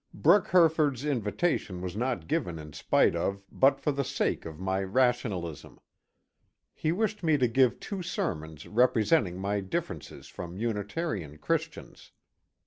Brooke Herford's invitation was not given in spite of but for the sake of my rationalism. He wished me to give two sermons representing my differ ences from Unitarian Christians.